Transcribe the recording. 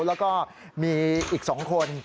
แล้วก็มีอีก๒คน